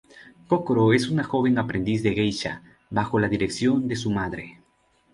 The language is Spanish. Kokoro es una joven aprendiz de Geisha, bajo la dirección de su madre.